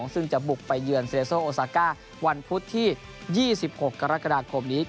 ซึ่งจะบุกไปเยือนเซโซโอซาก้าวันพุธที่๒๖กรกฎาคมนี้